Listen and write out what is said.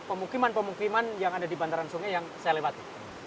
pemukiman pemukiman yang ada di bantaran sungai yang saya lewati